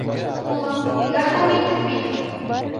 — Улым, ярҙам иттек бит.